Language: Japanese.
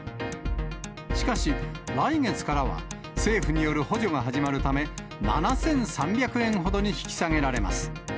しかし、来月からは政府による補助が始まるため、７３００円ほどに引き下げられます。